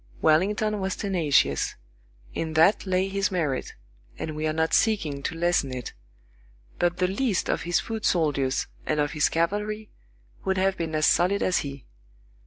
Wellington was tenacious; in that lay his merit, and we are not seeking to lessen it: but the least of his foot soldiers and of his cavalry would have been as solid as he.